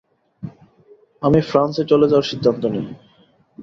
আমি ফ্রান্সে চলে যাওয়ার সিদ্ধান্ত নেই।